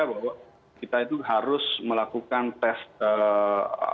bahwa kita itu harus melakukan tes apa namanya